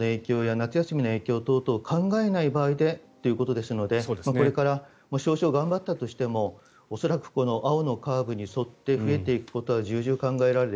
夏休みの影響等々を考えない場合でということですのでこれから少々頑張ったとしても恐らく青のカーブに沿って増えていくことは重々考えられる。